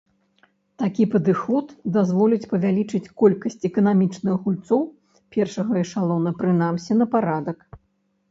Такі падыход дазволіць павялічыць колькасць эканамічных гульцоў першага эшалона прынамсі на парадак.